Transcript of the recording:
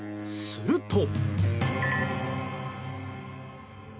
すると。